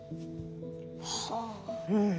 はあ。